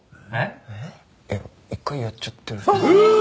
えっ？いや一回やっちゃってるし。